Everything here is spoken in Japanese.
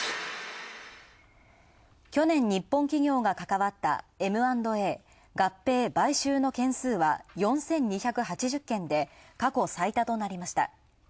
去年、日本企業がかかわったＭ＆Ａ＝合併・買収の件数は４２８０件で過去最多となりました。